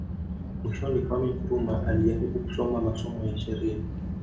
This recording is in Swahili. Mwishoni Kwame Nkrumah alijaribu kusoma masomo ya sheria